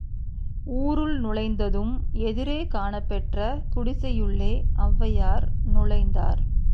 ஊருள் நுழைந்ததும் எதிரே காணப்பெற்ற குடிசையுள்ளே ஒளவையார் நுழைந்தார்.